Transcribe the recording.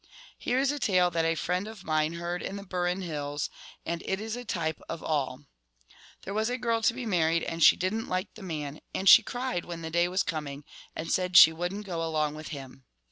' Here is a tale that a friend of mine heard in the Burren hills, and it is a type of all: —' There was a girl to be married, and she did n't like the man, and she cried when the day was coming, and said she would n't go along with him.